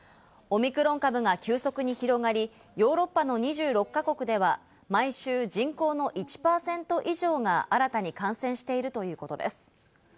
オミクロン株は急速に広がり、ヨーロッパの２６か国では毎週、人口の１％以上が新たに感染しているということです。